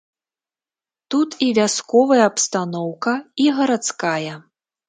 Тут і вясковая абстаноўка і гарадская.